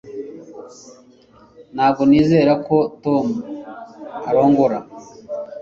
ntabwo nizera ko tom arongora